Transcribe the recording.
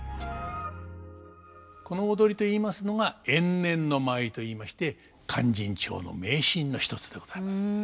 この踊りといいますのが延年の舞といいまして「勧進帳」の名シーンの一つでございます。